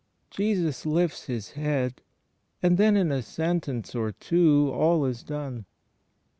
Jesus lifts His Head; and then, in a sentence or two, all is done.